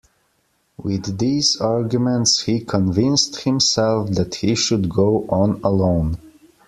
With these arguments he convinced himself that he should go on alone.